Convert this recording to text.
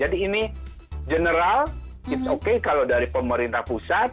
jadi ini general it's okay kalau dari pemerintah pusat